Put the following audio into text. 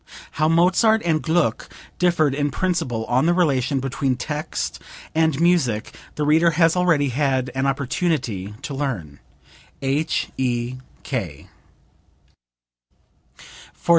[How Mozart and Gluck differed in principle on the relation between text and music the reader has already had an opportunity to learn. H.E.K.